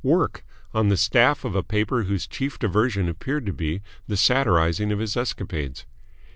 Work! on the staff of a paper whose chief diversion appeared to be the satirising of his escapades!